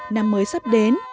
năm mới sắp đến